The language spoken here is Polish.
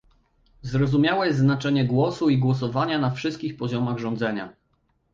Zrozumiałe jest znaczenie głosu i głosowania na wszystkich poziomach rządzenia